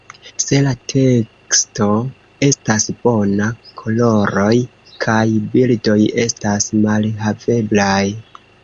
Se la teksto estas bona, koloroj kaj bildoj estas malhaveblaj.